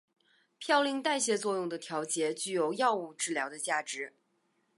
嘌呤代谢作用的调节具有药物治疗的价值。